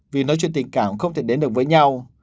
vì nói chuyện tình cảm không thể đến được với nhau